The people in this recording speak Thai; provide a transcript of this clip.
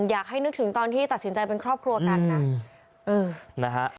อยากให้นึกถึงตอนที่ตัดสินใจเป็นครอบครัวกันนะเออนะฮะ